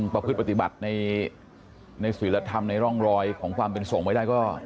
ประพฤติปฏิบัติในศิลธรรมในร่องรอยของความเป็นส่งไว้ได้ก็